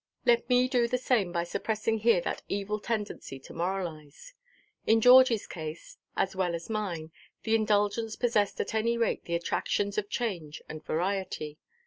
Let me do the same by suppressing here that evil tendency to moralise. In Georgieʼs case, as well as mine, the indulgence possessed at any rate the attractions of change and variety.